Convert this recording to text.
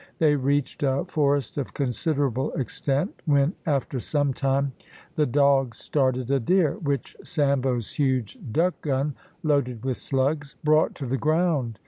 They reached a forest of considerable extent, when, after some time, the dogs started a deer, which Sambo's huge duck gun, loaded with slugs, brought to the ground.